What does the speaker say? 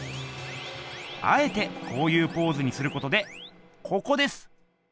あえてこういうポーズにすることでここです。